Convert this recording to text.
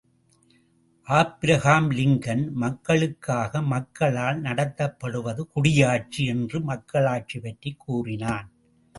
Abraham Lincoln, மக்களுக்காக மக்களால் நடத்தப்படுவது குடியாட்சி என்று மக்களாட்சி பற்றிக் கூறினான்.